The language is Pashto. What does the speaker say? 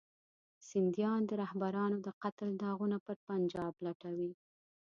سندیان د رهبرانو د قتل داغونه پر پنجاب لټوي.